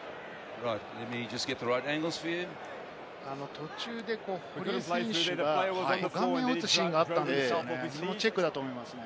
途中で堀江選手が顔面を打つシーンがあったんですけれども、そのチェックだと思いますね。